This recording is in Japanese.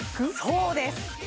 そうです！